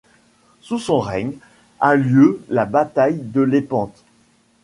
Sous son règne a lieu la bataille de Lépante.